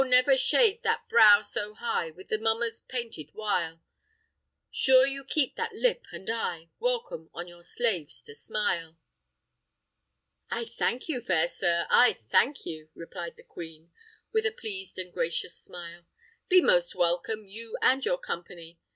never shade that brow so high With the mummers' painted wile. Sure you keep that lip and eye, Welcome on your slaves to smile." "I thank you, fair sir; I thank you," replied the queen, with a pleased and gracious smile: "be most welcome, you and your company.